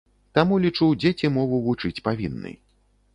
Таму, лічу, дзеці мову вучыць павінны.